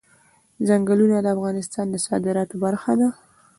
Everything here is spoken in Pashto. ځنګلونه د افغانستان د صادراتو برخه ده.